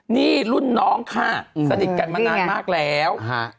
นี่รุ่นน้องค่ะสนิทกันมานานมากแล้ว